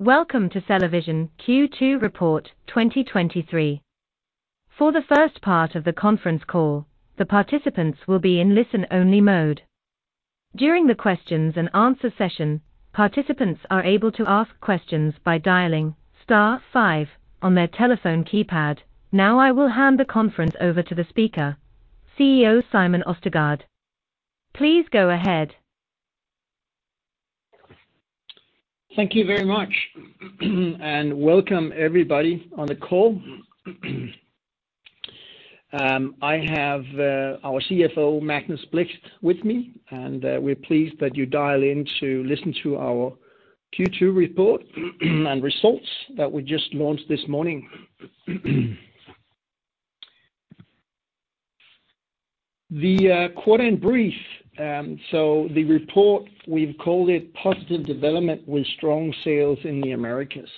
Welcome to CellaVision Q2 report 2023. For the first part of the conference call, the participants will be in listen-only mode. During the questions-and-answer session, participants are able to ask questions by dialing star five on their telephone keypad. I will hand the conference over to the speaker, CEO Simon Østergaard. Please go ahead. Thank you very much, welcome everybody on the call. I have our CFO, Magnus Blixt, with me, we're pleased that you dial in to listen to our Q2 report and results that we just launched this morning. The quarter in brief. The report, we've called it Positive Development with Strong Sales in the Americas.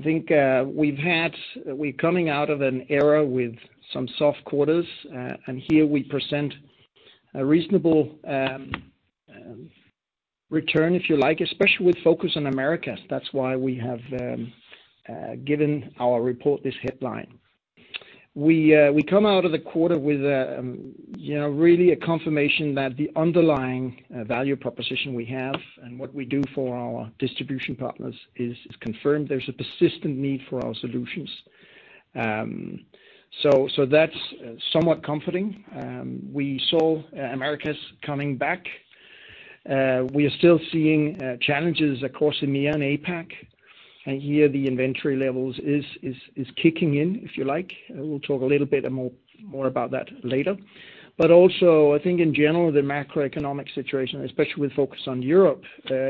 I think we're coming out of an era with some soft quarters, here we present a reasonable return, if you like, especially with focus on Americas. That's why we have given our report this headline. We come out of the quarter with, you know, really a confirmation that the underlying value proposition we have and what we do for our distribution partners is confirmed. There's a persistent need for our solutions. That's somewhat comforting. We saw Americas coming back. We are still seeing challenges across EMEA and APAC, and here the inventory levels is kicking in, if you like. We'll talk a little bit more about that later. Also, I think in general, the macroeconomic situation, especially with focus on Europe,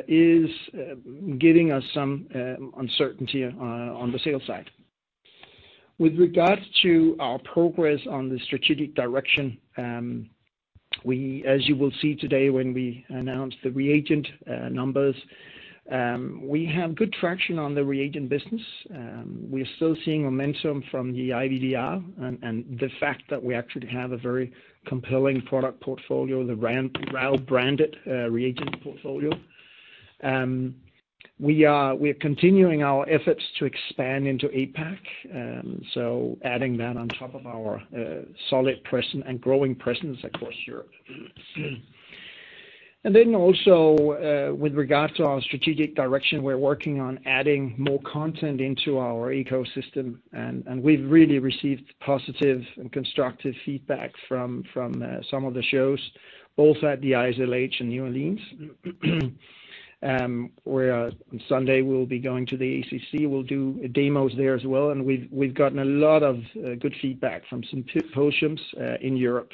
is giving us some uncertainty on the sales side. With regards to our progress on the strategic direction, as you will see today, when we announce the reagent numbers, we have good traction on the reagent business. We're still seeing momentum from the IVDR and the fact that we actually have a very compelling product portfolio, the RAL branded reagent portfolio. We are continuing our efforts to expand into APAC, adding that on top of our solid presence and growing presence across Europe. Also, with regards to our strategic direction, we're working on adding more content into our ecosystem, and we've really received positive and constructive feedback from some of the shows, both at the ISLH in New Orleans. Where on Sunday we'll be going to the AACC. We'll do demos there as well, and we've gotten a lot of good feedback from some symposiums in Europe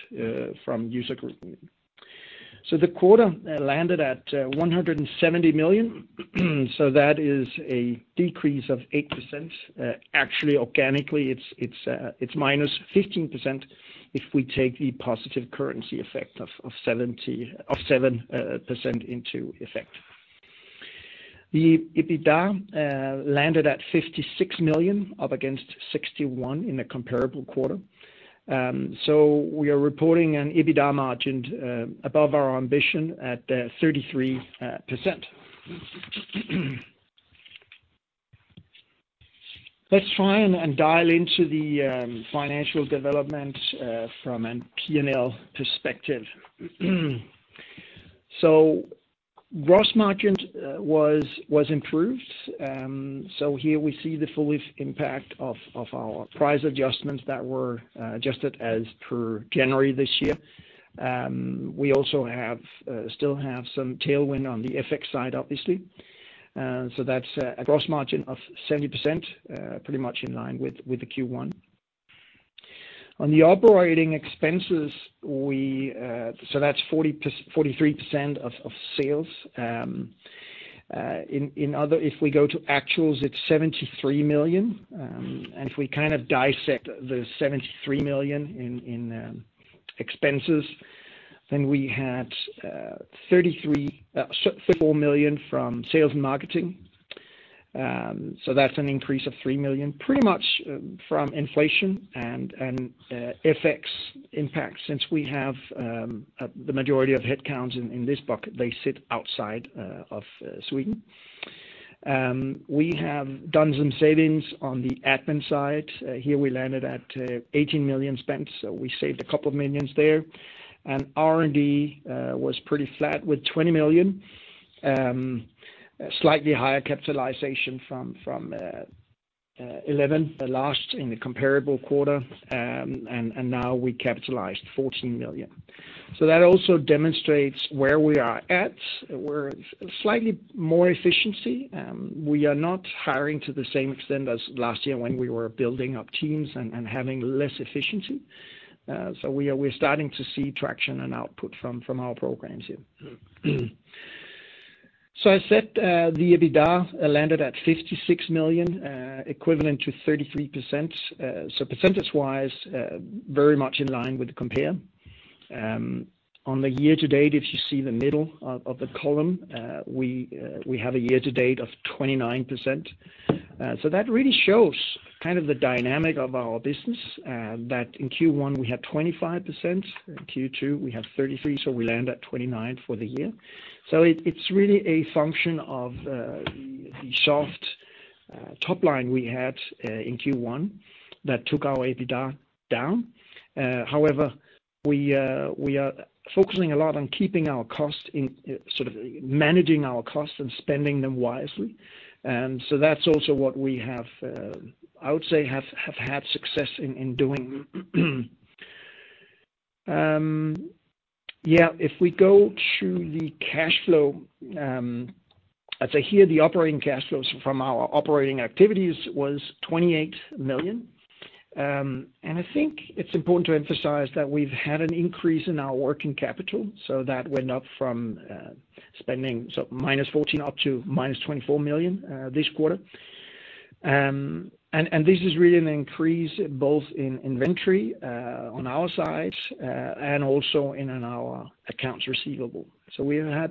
from user groups. The quarter landed at 170 million, that is a decrease of 8%. Actually, organically, it's -15% if we take the positive currency effect of 7% into effect. The EBITDA landed at 56 million, up against 61 million in a comparable quarter. We are reporting an EBITDA margin above our ambition at 33%. Let's try and dial into the financial development from a PNL perspective. Gross margin was improved. Here we see the full impact of our price adjustments that were adjusted as per January this year. We also have still have some tailwind on the FX side, obviously. That's a gross margin of 70%, pretty much in line with the Q1. On the operating expenses, that's 43% of sales. If we go to actuals, it's 73 million. If we kind of dissect the 73 million in expenses, we had 44 million from sales and marketing. That's an increase of 3 million, pretty much, from inflation and FX impact, since we have the majority of headcounts in this bucket, they sit outside of Sweden. We have done some savings on the admin side. Here we landed at 18 million spent, so we saved a couple of millions there. R&D was pretty flat with 20 million, slightly higher capitalization from 11 million, the last in the comparable quarter. Now we capitalized 14 million. That also demonstrates where we are at. We're slightly more efficiency, we are not hiring to the same extent as last year when we were building up teams and having less efficiency. We're starting to see traction and output from our programs here. I said, the EBITDA landed at 56 million, equivalent to 33%. Percentage-wise, very much in line with the compare. On the year to date, if you see the middle of the column, we have a year to date of 29%. That really shows kind of the dynamic of our business, that in Q1 we had 25%, in Q2 we have 33%, so we land at 29% for the year. It, it's really a function of the. top line we had in Q1 that took our EBITDA down. However, we are focusing a lot on keeping our cost in, sort of managing our costs and spending them wisely. That's also what we have, I would say have had success in doing. Yeah, if we go to the cash flow, as I hear the operating cash flows from our operating activities was 28 million. I think it's important to emphasize that we've had an increase in our working capital, so that went up from spending, so -14 up to -24 million this quarter. And this is really an increase both in inventory on our side and also in our accounts receivable. We have had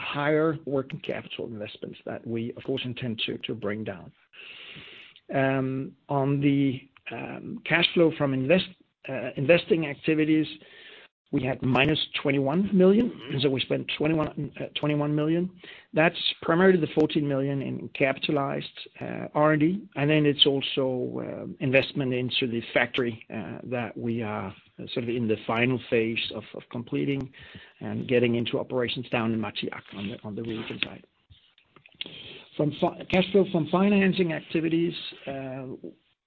higher working capital investments that we, of course, intend to bring down. On the cash flow from investing activities, we had -21 million, so we spent 21 million. That's primarily the 14 million in capitalized R&D, and then it's also investment into the factory that we are sort of in the final phase of completing and getting into operations down in Malmö on the region side. From cash flow from financing activities,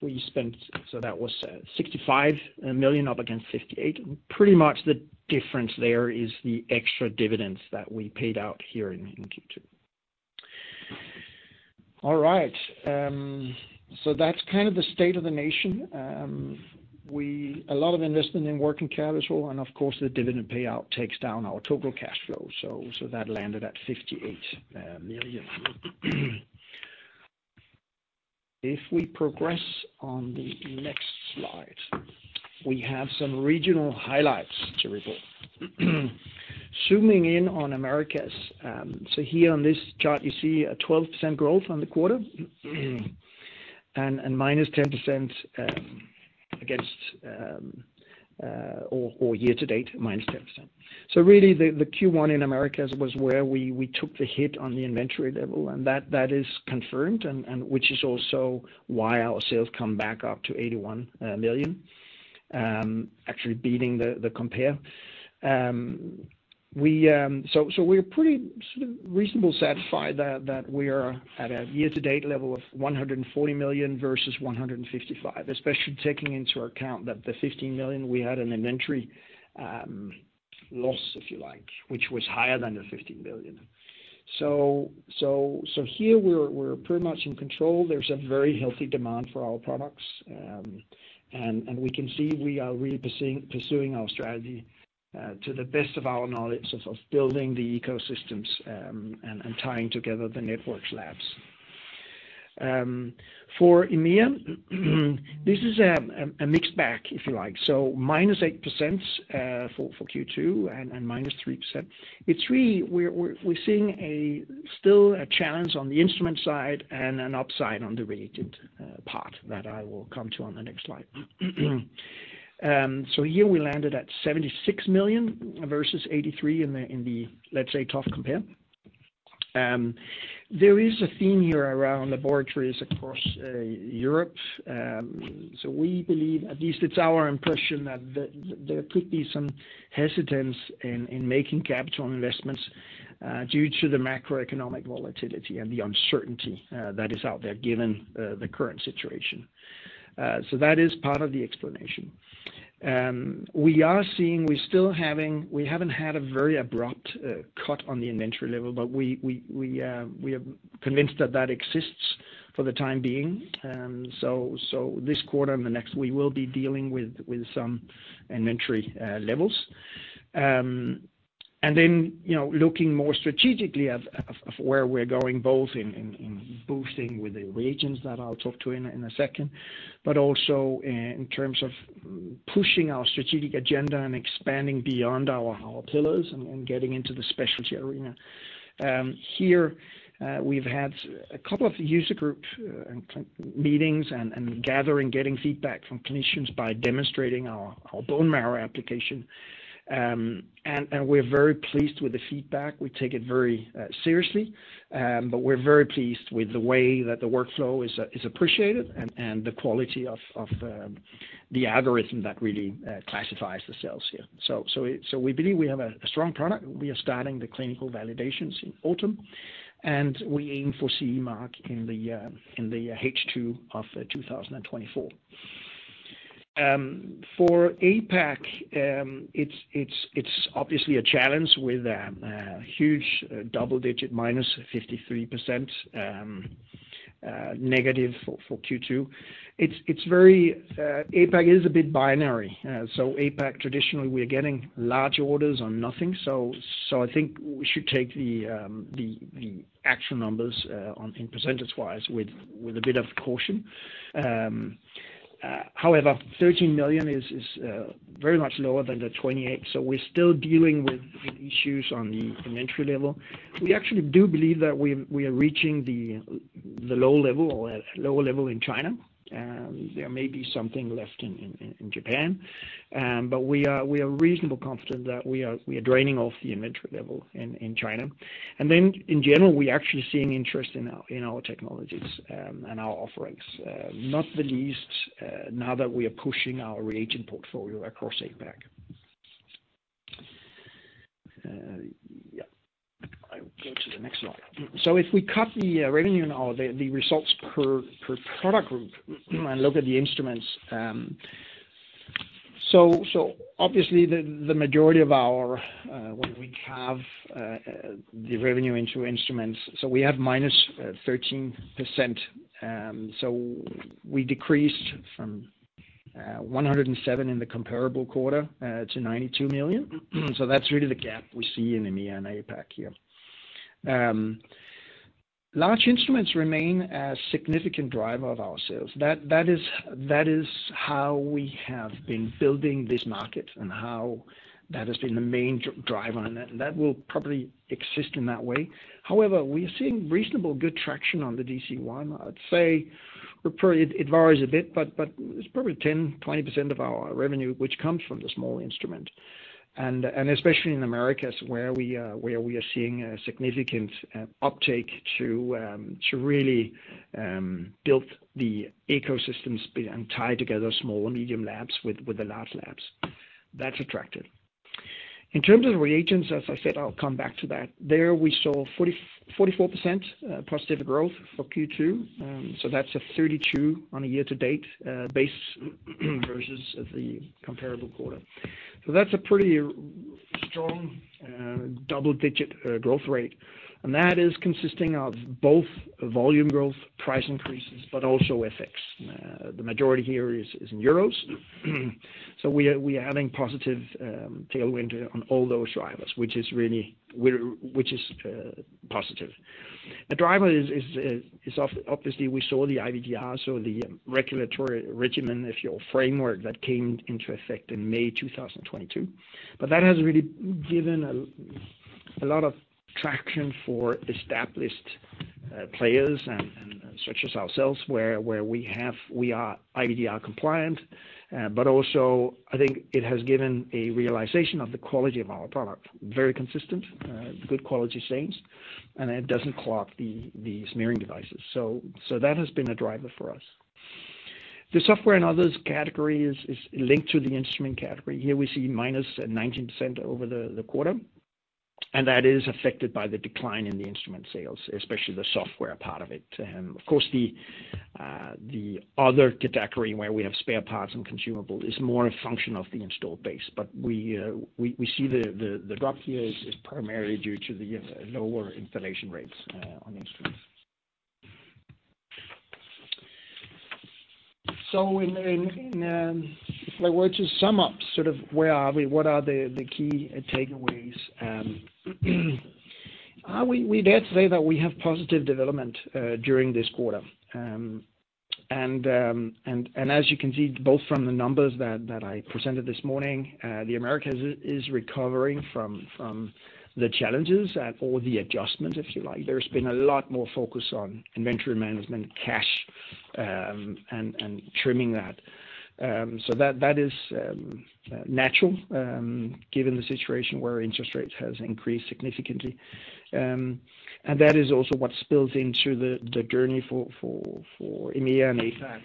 we spent, that was 65 million, up against 58 million. Pretty much the difference there is the extra dividends that we paid out here in Q2. That's kind of the state of the nation. A lot of investment in working capital, of course, the dividend payout takes down our total cash flow, so that landed at 58 million. If we progress on the next slide, we have some regional highlights to report. Zooming in on Americas. Here on this chart, you see a 12% growth on the quarter, and -10% against or year to date, -10%. Really, the Q1 in Americas was where we took the hit on the inventory level, that is confirmed, and which is also why our sales come back up to 81 million, actually beating the compare. We're pretty sort of reasonably satisfied that we are at a year-to-date level of 140 million versus 155 million, especially taking into account that the 15 million we had in inventory loss, if you like, which was higher than the 15 billion. Here we're pretty much in control. There's a very healthy demand for our products, and we can see we are really pursuing our strategy to the best of our knowledge of building the ecosystems and tying together the networks labs. For EMEA, this is a mixed bag, if you like. -8% for Q2 and -3%. It's really we're seeing a still a challenge on the instrument side and an upside on the reagent part that I will come to on the next slide. Here we landed at 76 million versus 83 in the, in the, let's say, tough compare. There is a theme here around laboratories across Europe. We believe, at least it's our impression, that there could be some hesitance in making capital investments due to the macroeconomic volatility and the uncertainty that is out there, given the current situation. That is part of the explanation. We are seeing, we haven't had a very abrupt cut on the inventory level, but we are convinced that that exists for the time being. This quarter and the next, we will be dealing with some inventory levels. Then, you know, looking more strategically at where we're going, both in boosting with the reagents that I'll talk to in a second, but also in terms of pushing our strategic agenda and expanding beyond our pillars and getting into the specialty arena. Here, we've had a couple of user group meetings and gathering, getting feedback from clinicians by demonstrating our Bone Marrow Application. We're very pleased with the feedback. We take it very seriously. We're very pleased with the way that the workflow is appreciated and the quality of the algorithm that really classifies the cells here. We believe we have a strong product. We are starting the clinical validations in autumn, and we aim for CE mark in the H2 of 2024. For APAC, it's, it's obviously a challenge with a huge double-digit, -53%, negative for Q2. It's, it's very, APAC is a bit binary. APAC, traditionally, we're getting large orders or nothing, I think we should take the, the actual numbers, on in percentage-wise, with a bit of caution. However, 13 million is, very much lower than 28 million, so we're still dealing with issues on the inventory level. We actually do believe that we are reaching the low level or lower level in China, and there may be something left in Japan. We are reasonably confident that we are draining off the inventory level in China. In general, we're actually seeing interest in our technologies and our offerings, not the least, now that we are pushing our reagent portfolio across APAC. Yeah, I will go to the next slide. If we cut the revenue or the results per product group and look at the instruments. So obviously the majority of our when we have the revenue into instruments, we have -13%. We decreased from 107 in the comparable quarter to 92 million. That's really the gap we see in EMEA and APAC here. Large instruments remain a significant driver of our sales. That is how we have been building this market and how that has been the main driver, and that will probably exist in that way. However, we're seeing reasonable, good traction on the DC-1. I'd say we're pretty, it varies a bit, but it's probably 10%-20% of our revenue, which comes from the small instrument. Especially in Americas, where we are seeing a significant uptake to really build the ecosystems and tie together small and medium labs with the large labs. That's attractive. In terms of the reagents, as I said, I'll come back to that. There we saw 44% positive growth for Q2. That's a 32 on a year-to-date base versus the comparable quarter. That's a pretty strong double-digit growth rate, and that is consisting of both volume growth, price increases, but also FX. The majority here is in euros. We are having positive tailwind on all those drivers, which is really positive. The driver is obviously we saw the IVDR, the regulatory framework that came into effect in May 2022. That has really given a lot of traction for established players and such as ourselves, where we are IVDR compliant, but also I think it has given a realization of the quality of our product. Very consistent, good quality stains, and it doesn't clog the smearing devices. That has been a driver for us. The software and others category is linked to the instrument category. Here we see -19% over the quarter, and that is affected by the decline in the instrument sales, especially the software part of it. Of course, the other category where we have spare parts and consumable is more a function of the installed base, but we see the drop here is primarily due to the lower installation rates on instruments. If I were to sum up, where are we? What are the key takeaways? We dare say that we have positive development during this quarter. As you can see, both from the numbers that I presented this morning, the Americas is recovering from the challenges or the adjustment, if you like. There's been a lot more focus on inventory management, cash, and trimming that. That is natural, given the situation where interest rates has increased significantly. That is also what spills into the journey for EMEA and APAC.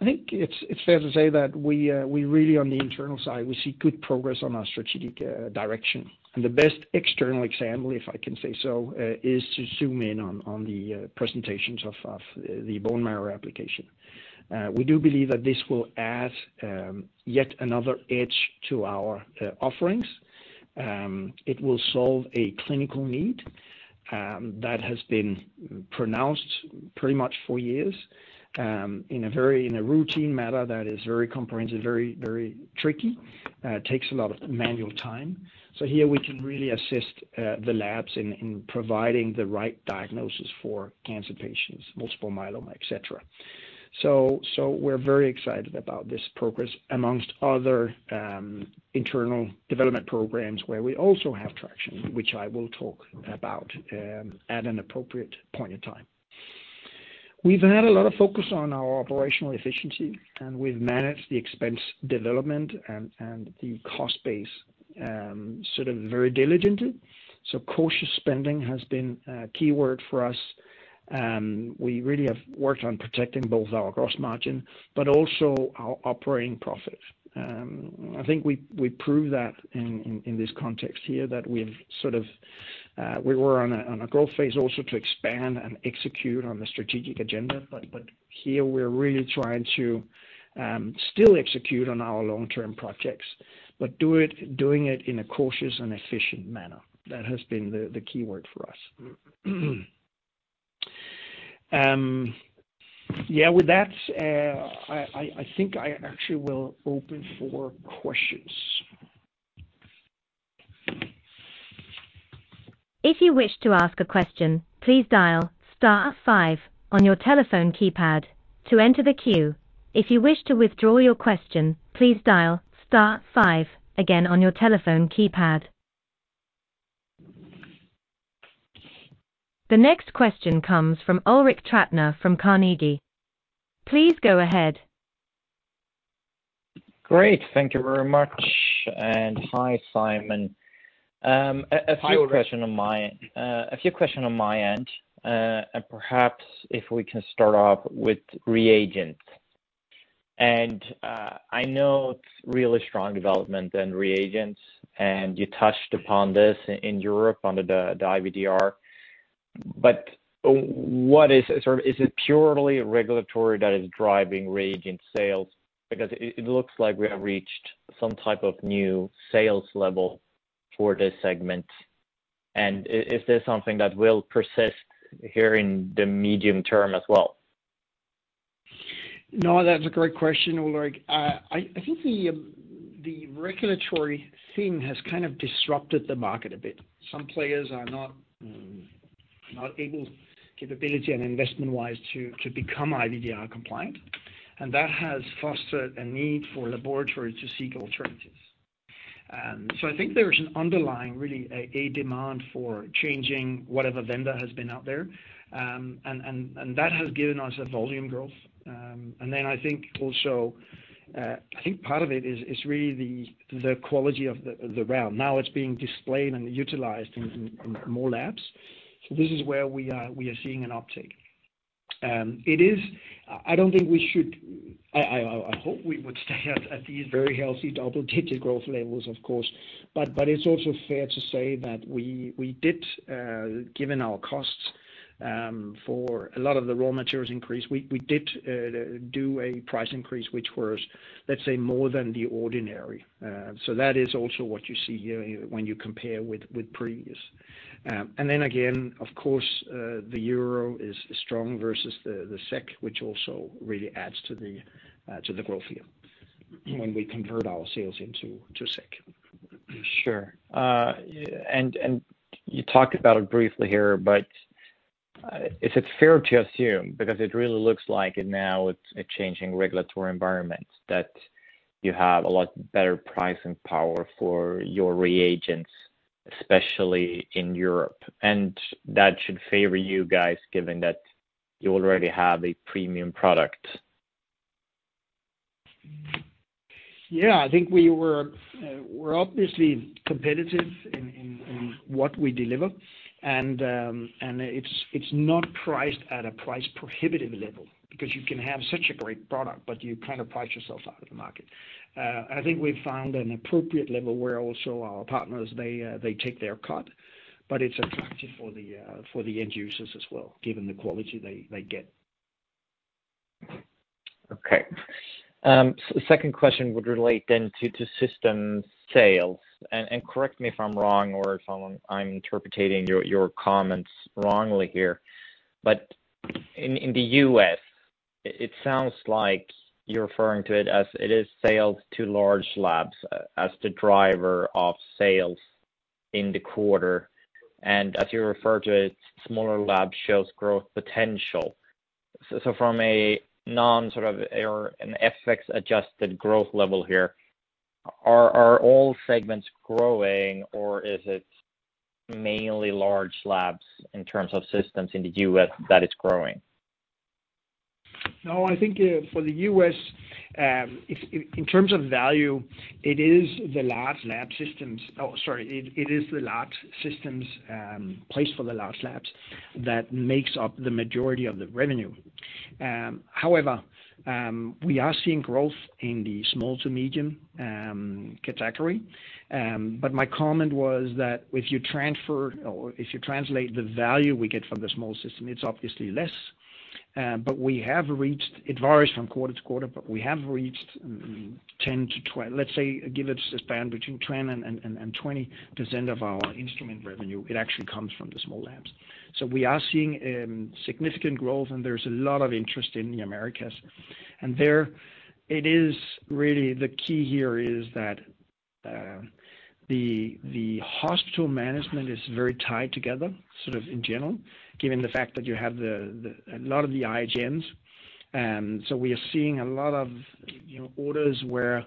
I think it's fair to say that we really on the internal side, we see good progress on our strategic direction. The best external example, if I can say so, is to zoom in on the presentations of the bone marrow application. We do believe that this will add yet another edge to our offerings. It will solve a clinical need that has been pronounced pretty much for years in a very routine manner that is very comprehensive, very tricky, takes a lot of manual time. Here we can really assist the labs in providing the right diagnosis for cancer patients, multiple myeloma, et cetera. We're very excited about this progress amongst other internal development programs, where we also have traction, which I will talk about at an appropriate point in time. We've had a lot of focus on our operational efficiency, and we've managed the expense development and the cost base sort of very diligently. Cautious spending has been a key word for us, and we really have worked on protecting both our gross margin, but also our operating profit. I think we proved that in this context here, that we've sort of we were on a growth phase also to expand and execute on the strategic agenda. Here we're really trying to still execute on our long-term projects, doing it in a cautious and efficient manner. That has been the key word for us. Yeah, with that, I think I actually will open for questions. If you wish to ask a question, please dial star five on your telephone keypad to enter the queue. If you wish to withdraw your question, please dial star five again on your telephone keypad. The next question comes from Ulrik Trattner from Carnegie. Please go ahead. Great. Thank you very much, and hi, Simon. a few question on my end, and perhaps if we can start off with reagents. I know it's really strong development in reagents, and you touched upon this in Europe, under the IVDR. What is, sort of, is it purely regulatory that is driving reagent sales? Because it looks like we have reached some type of new sales level for this segment. Is this something that will persist here in the medium term as well? No, that's a great question, Ulrik. I think the regulatory theme has kind of disrupted the market a bit. Some players are not able, capability and investment-wise, to become IVDR compliant, and that has fostered a need for laboratory to seek alternatives. I think there is an underlying, really, a demand for changing whatever vendor has been out there. That has given us a volume growth. I think also, I think part of it is really the quality of the RAL. Now it's being displayed and utilized in more labs. This is where we are seeing an uptick. I don't think we should... I hope we would stay at these very healthy double-digit growth levels, of course. It's also fair to say that we did, given our costs, for a lot of the raw materials increase, we did do a price increase, which was, let's say, more than the ordinary. That is also what you see here when you compare with previous. Again, of course, the euro is strong versus the SEK, which also really adds to the growth here, when we convert our sales into SEK. Sure. You talked about it briefly here, but is it fair to assume, because it really looks like it now, it's a changing regulatory environment, that you have a lot better pricing power for your reagents, especially in Europe, and that should favor you guys, given that you already have a premium product? Yeah, I think we were, we're obviously competitive in what we deliver. It's not priced at a price prohibitive level, because you can have such a great product, but you kind of price yourself out of the market. We've found an appropriate level where also our partners, they take their cut, but it's attractive for the end users as well, given the quality they get. Okay. Second question would relate then to system sales. Correct me if I'm wrong or if I'm interpreting your comments wrongly here. In the U.S., it sounds like you're referring to it as it is sales to large labs as the driver of sales in the quarter. As you refer to it, smaller labs shows growth potential. From a non sort of, or an FX-adjusted growth level here, are all segments growing, or is it mainly large labs in terms of systems in the U.S. that it's growing? I think, for the U.S., in terms of value, it is the large lab systems. It is the large systems placed for the large labs that makes up the majority of the SEK revenue. However, we are seeing growth in the small to medium category. My comment was that if you transfer, or if you translate the value we get from the small system, it's obviously less. We have reached, it varies from quarter to quarter, but we have reached 10 to, let's say, give it a span between 10% and 20% of our instrument SEK revenue, it actually comes from the small labs. We are seeing significant growth, and there's a lot of interest in the Americas. There, it is really the key here is that the hospital management is very tied together, sort of in general, given the fact that you have a lot of the IHNs. We are seeing a lot of, you know, orders where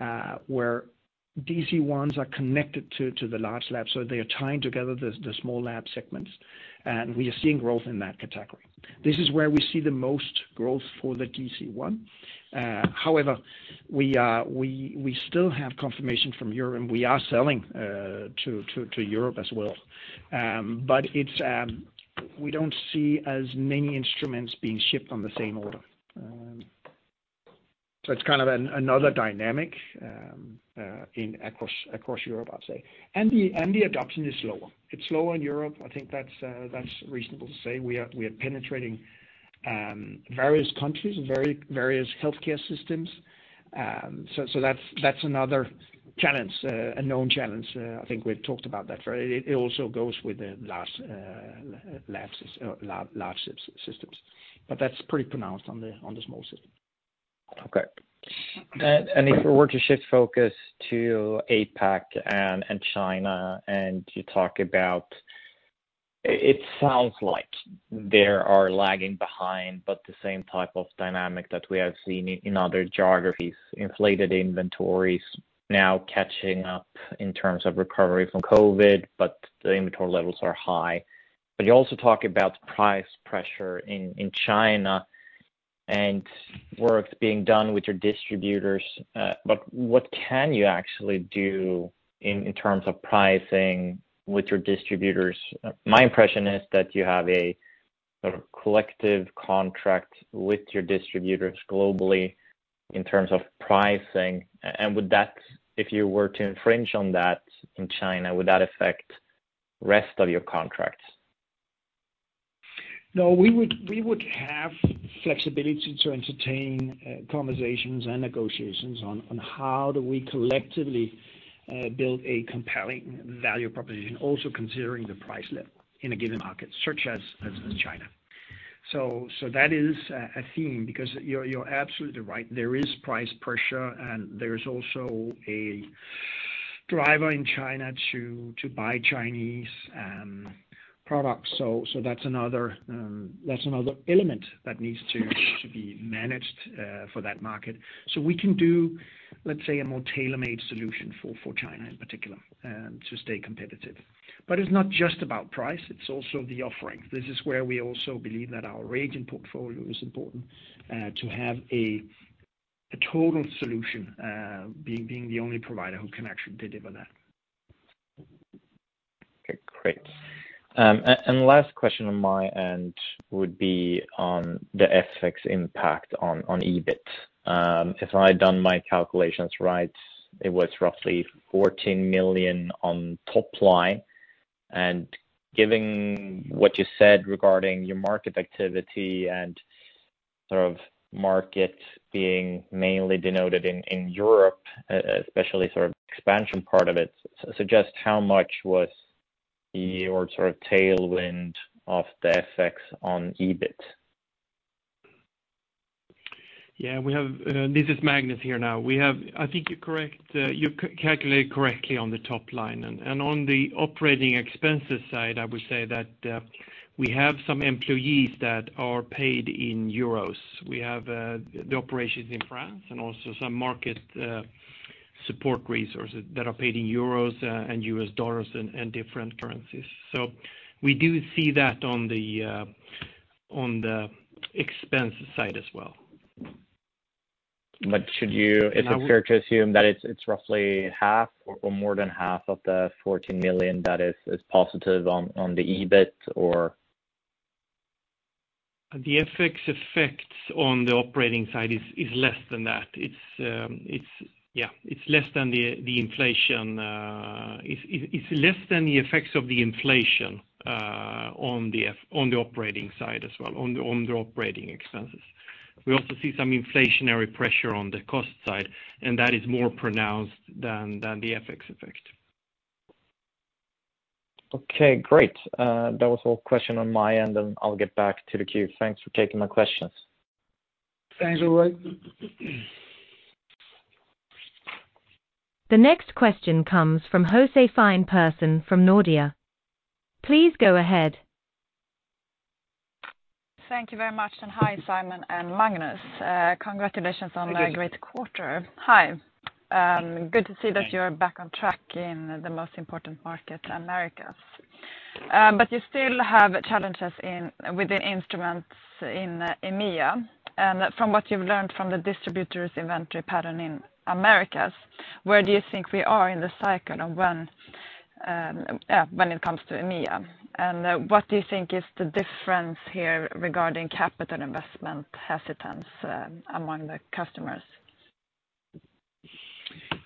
DC-1s are connected to the large lab, so they are tying together the small lab segments, and we are seeing growth in that category. This is where we see the most growth for the DC-1. However, we still have confirmation from Europe, and we are selling to Europe as well. It's, we don't see as many instruments being shipped on the same order. It's kind of another dynamic in across Europe, I'd say. The adoption is slower. It's slower in Europe. I think that's reasonable to say. We are penetrating various countries, various healthcare systems. That's another challenge, a known challenge. I think we've talked about that. It also goes with the large lab systems. That's pretty pronounced on the small system. Okay. If we were to shift focus to APAC and China, and you talk about it sounds like they are lagging behind, but the same type of dynamic that we have seen in other geographies, inflated inventories now catching up in terms of recovery from COVID, but the inventory levels are high. You also talk about price pressure in China, and work being done with your distributors. What can you actually do in terms of pricing with your distributors? My impression is that you have a sort of collective contract with your distributors globally in terms of pricing. Would that, if you were to infringe on that in China, would that affect rest of your contracts? No, we would have flexibility to entertain conversations and negotiations on how do we collectively build a compelling value proposition, also considering the price level in a given market, such as China. That is a theme, because you're absolutely right, there is price pressure, and there is also a driver in China to buy Chinese products. That's another element that needs to be managed for that market. We can do, let's say, a more tailor-made solution for China in particular to stay competitive. It's not just about price, it's also the offering. This is where we also believe that our agent portfolio is important to have a total solution being the only provider who can actually deliver that. Okay, great. Last question on my end would be on the FX impact on EBIT. If I'd done my calculations right, it was roughly 14 million on top line. Given what you said regarding your market activity and sort of market being mainly denoted in Europe, especially sort of expansion part of it, just how much was your sort of tailwind of the FX on EBIT? Yeah, this is Magnus here now. We have. I think you're correct, you calculate correctly on the top line. On the operating expenses side, I would say that we have some employees that are paid in euros. We have the operations in France and also some market support resources that are paid in euros and U.S. dollars and different currencies. We do see that on the expense side as well. But should you... Now- Is it fair to assume that it's roughly half or more than half of the 14 million that is positive on the EBIT or? The FX effects on the operating side is less than that. Yeah, it's less than the inflation. It's less than the effects of the inflation on the operating side as well, on the operating expenses. We also see some inflationary pressure on the cost side, that is more pronounced than the FX effect. Okay, great. That was all question on my end. I'll get back to the queue. Thanks for taking my questions. Thanks, Ulrik. The next question comes from Ludvig Lundgren from Nordea. Please go ahead. Thank you very much, hi, Simon and Magnus. Thank you. Congratulations on a great quarter. Hi, good to see that you're back on track in the most important market, Americas. You still have challenges with the instruments in EMEA. From what you've learned from the distributors' inventory pattern in Americas, where do you think we are in the cycle of when it comes to EMEA? What do you think is the difference here regarding capital investment hesitance among the customers?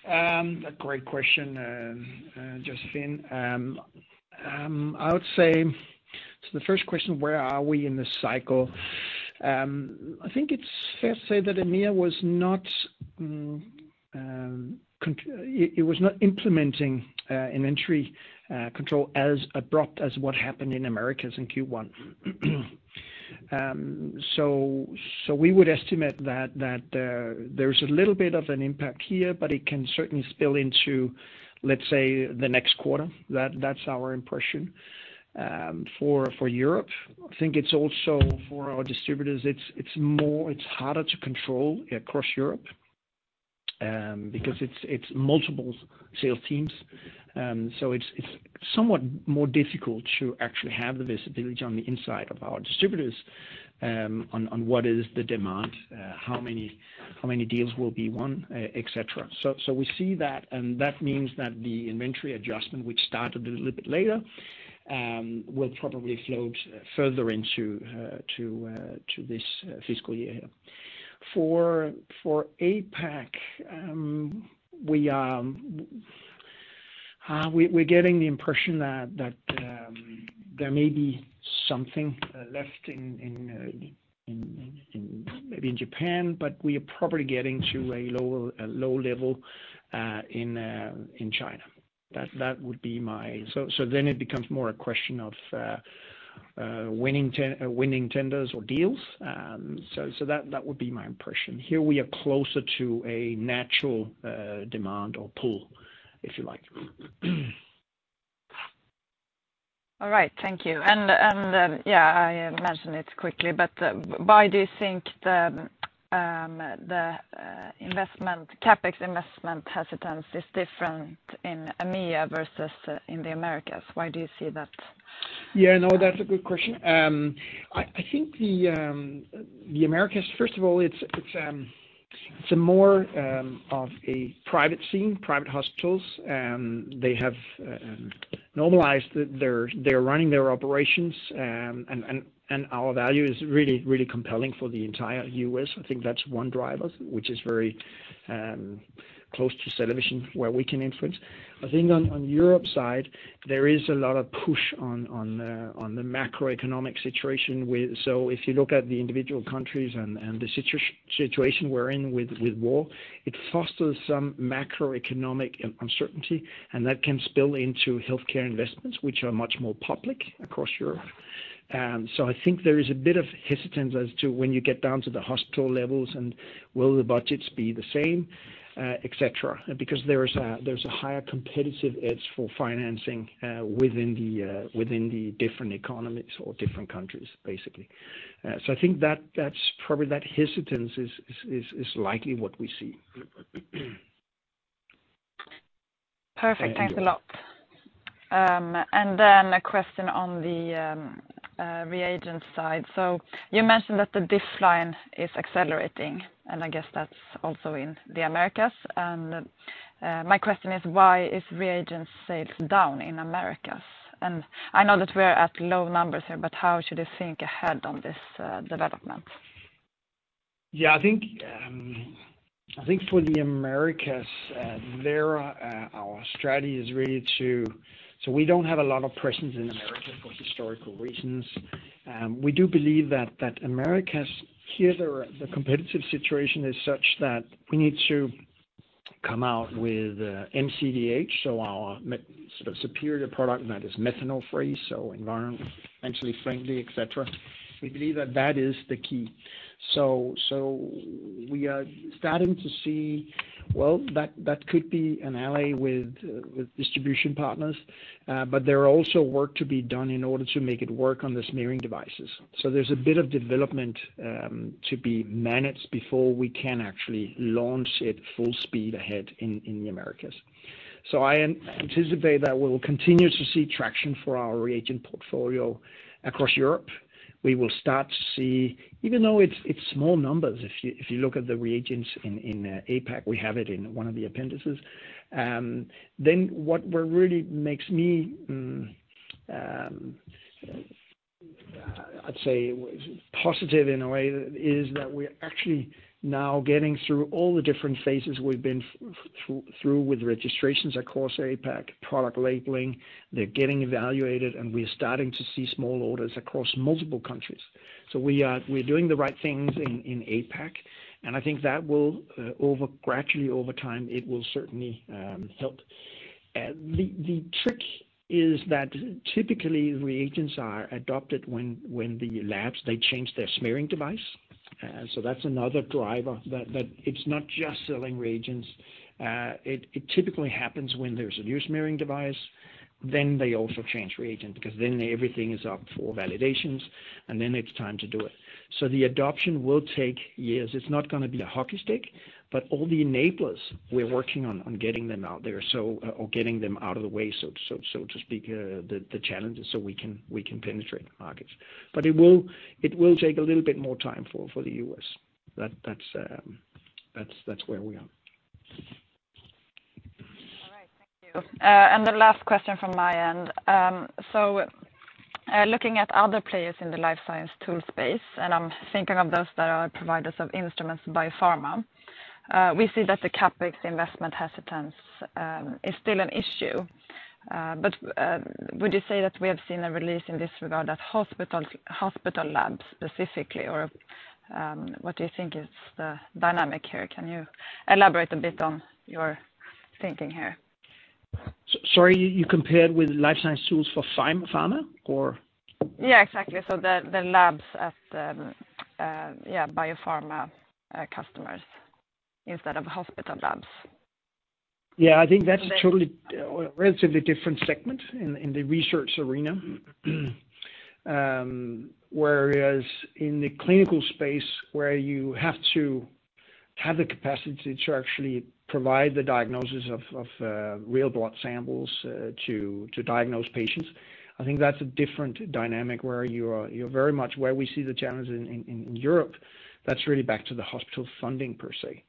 A great question, Josephine. I would say, so the first question, where are we in this cycle? I think it's fair to say that EMEA was not, it was not implementing an entry control as abrupt as what happened in Americas in Q1. So we would estimate that there's a little bit of an impact here, but it can certainly spill into, let's say, the next quarter. That's our impression. For Europe, I think it's also for our distributors, it's more, it's harder to control across Europe, because it's multiple sales teams. It's somewhat more difficult to actually have the visibility on the inside of our distributors, on what is the demand, how many deals will be won, et cetera. We see that, and that means that the inventory adjustment, which started a little bit later, will probably flow further into this fiscal year. For APAC, we're getting the impression that there may be something left in maybe in Japan, but we are probably getting to a low level in China. Then it becomes more a question of winning tenders or deals. That would be my impression. Here we are closer to a natural demand or pull, if you like. All right, thank you. Yeah, I mentioned it quickly, but, why do you think the investment, CapEx investment hesitance is different in EMEA versus in the Americas? Why do you see that? Yeah, no, that's a good question. I think the Americas, first of all, it's a more of a private scene, private hospitals, and they have normalized their running their operations. Our value is really, really compelling for the entire U.S. I think that's one driver, which is very close to CellaVision, where we can influence. I think on Europe side, there is a lot of push on the macroeconomic situation with so if you look at the individual countries and the situation we're in with war, it fosters some macroeconomic uncertainty, and that can spill into healthcare investments, which are much more public across Europe. I think there is a bit of hesitance as to when you get down to the hospital levels, and will the budgets be the same, et cetera. Because there's a higher competitive edge for financing, within the different economies or different countries, basically. I think that's probably that hesitance is likely what we see. Perfect. Thanks a lot. A question on the reagent side. You mentioned that the decline is accelerating, and I guess that's also in the Americas. My question is, why is reagent sales down in Americas? I know that we're at low numbers here, but how should I think ahead on this development? Yeah, I think, I think for the Americas, there, our strategy is really to... We don't have a lot of presence in the Americas for historical reasons. We do believe that Americas, here, the competitive situation is such that we need to come out with MCDh, so our sort of superior product that is methanol-free, so environmentally friendly, et cetera. We believe that that is the key. We are starting to see, well, that could be an ally with distribution partners, but there are also work to be done in order to make it work on the smearing devices. There's a bit of development to be managed before we can actually launch it full speed ahead in the Americas. I anticipate that we will continue to see traction for our reagent portfolio across Europe. We will start to see, even though it's small numbers, if you, if you look at the reagents in APAC, we have it in one of the appendices. What we're really makes me, I'd say, positive in a way, is that we're actually now getting through all the different phases we've been through with registrations across APAC, product labeling. They're getting evaluated, we're starting to see small orders across multiple countries. We are, we're doing the right things in APAC, and I think that will, over gradually, over time, it will certainly, help. The, the trick is that typically, reagents are adopted when the labs, they change their smearing device. That's another driver, that it's not just selling reagents. It typically happens when there's a new smearing device, then they also change reagent, because then everything is up for validations, and then it's time to do it. The adoption will take years. It's not gonna be a hockey stick, but all the enablers, we're working on getting them out there, so, or getting them out of the way, so to speak, the challenges so we can penetrate the markets. It will take a little bit more time for the US. That's where we are. All right, thank you. The last question from my end. Looking at other players in the life science tool space, and I'm thinking of those that are providers of instruments biopharma, we see that the CapEx investment hesitance, is still an issue. Would you say that we have seen a release in this regard at hospital labs specifically? What do you think is the dynamic here? Can you elaborate a bit on your thinking here? Sorry, you compared with life science tools for pharma or? Yeah, exactly. The labs at the, yeah, biopharma customers instead of hospital labs. Yeah, I think that's a totally, relatively different segment in the research arena. Whereas in the clinical space, where you have to have the capacity to actually provide the diagnosis of real blood samples, to diagnose patients, I think that's a different dynamic, where you are, you're very much where we see the challenges in, in Europe. That's really back to the hospital funding per se.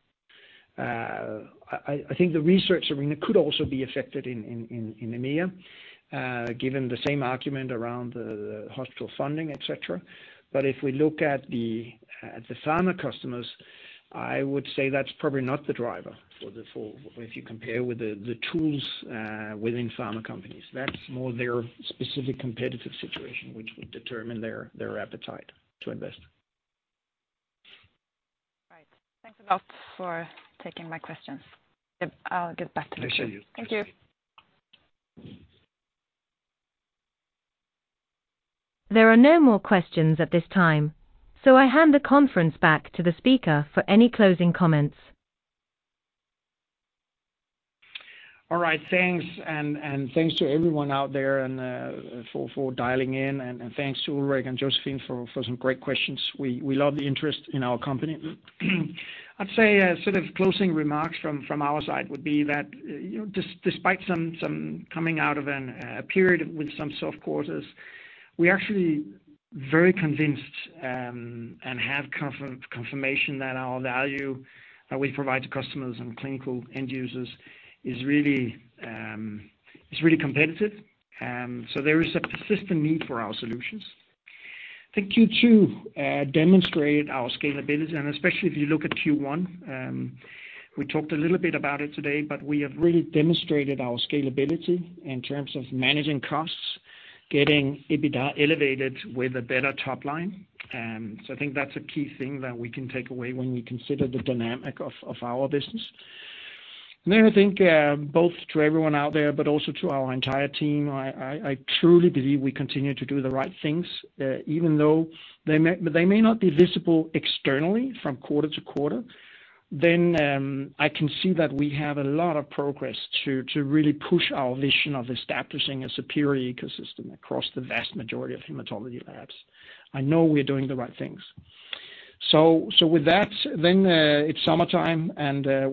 I think the research arena could also be affected in, in EMEA, given the same argument around the hospital funding, et cetera. If we look at the pharma customers, I would say that's probably not the driver for the if you compare with the tools within pharma companies. That's more their specific competitive situation, which will determine their appetite to invest. Right. Thanks a lot for taking my questions. Yep, I'll get back to you. Thank you. Thank you. There are no more questions at this time. I hand the conference back to the speaker for any closing comments. All right, thanks, and thanks to everyone out there for dialing in, and thanks to Ulrik Trattner and Josephine for some great questions. We love the interest in our company. I'd say sort of closing remarks from our side would be that, you know, despite some coming out of a period with some soft quarters, we're actually very convinced and have confirmation that our value that we provide to customers and clinical end users is really competitive. There is a persistent need for our solutions. I think Q2 demonstrated our scalability, and especially if you look at Q1, we talked a little bit about it today, but we have really demonstrated our scalability in terms of managing costs, getting EBITDA elevated with a better top line. I think that's a key thing that we can take away when we consider the dynamic of our business. I think, both to everyone out there, but also to our entire team, I truly believe we continue to do the right things, even though they may not be visible externally from quarter to quarter. I can see that we have a lot of progress to really push our vision of establishing a superior ecosystem across the vast majority of hematology labs. I know we're doing the right things. With that, it's summertime,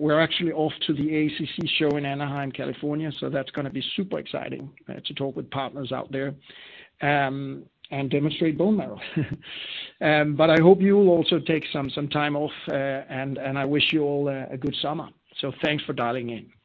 we're actually off to the AACC show in Anaheim, California, that's gonna be super exciting to talk with partners out there and demonstrate bone marrow. I hope you will also take some time off, and I wish you all a good summer. Thanks for dialing in.